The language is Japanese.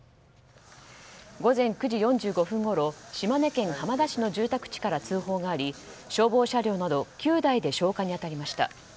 午前９時４５分ごろ島根県浜田市の住宅地から通報があり消防車両など９台で消火に当たりました。